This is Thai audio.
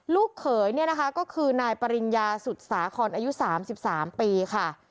ลูกเขยก็คือนายปริญญาสุดสาขนอายุ๓๓ปีค่ะ